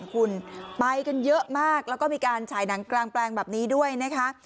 คุณไปกันเยอะมากแล้วก็มีการฉายหนังกลางแปลงแบบนี้ด้วยนะคะ